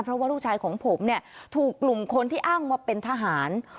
เพราะว่าลูกชายของผมเนี่ยถูกกลุ่มคนที่อ้างว่าเป็นทหาร